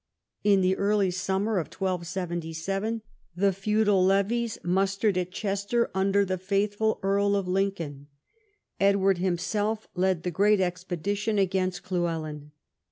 In the early summer of 1277 the feudal levies mus tered at Chester under the faithful Earl of Lincoln. Edward himself led the great expedition against Lly weljn.